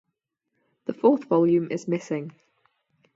The fourth volume is missing.